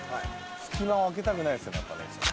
隙間をあけたくないですよね、やっぱ。